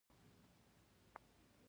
دا سیلانیانو ته خوند ورکوي.